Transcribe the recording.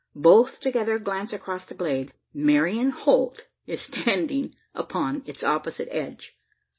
Both together glance across the glade. Marian Holt is standing upon its opposite edge!